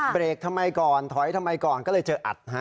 เบรกทำไมก่อนถอยทำไมก่อนก็เลยเจออัดฮะ